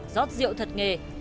giót rượu thật nghề